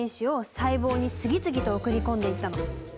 細胞に次々と送り込んでいったの。